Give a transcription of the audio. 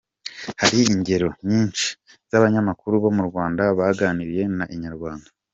Hari ingero nyinshi z’abanyamakuru bo mu Rwanda baganiriye na Inyarwanda.